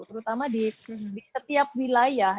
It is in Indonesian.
terutama di setiap wilayah